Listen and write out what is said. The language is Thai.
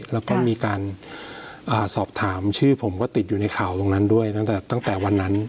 แล้วก็มีการสอบถามชื่อผมก็ติดอยู่ในข่าวตรงนั้นด้วยตั้งแต่วันนั้น